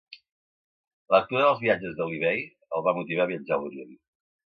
La lectura dels viatges d'Alí Bei el va motivar a viatjar a l'Orient.